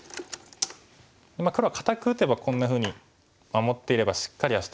黒は堅く打てばこんなふうに守っていればしっかりはしてるんですけど